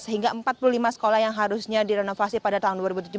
sehingga empat puluh lima sekolah yang harusnya direnovasi pada tahun dua ribu tujuh belas